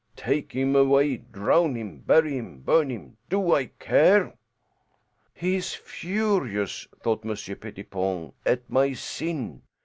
Take him away. Drown him. Bury him. Burn him. Do I care?" "He is furious," thought Monsieur Pettipon, "at my sin.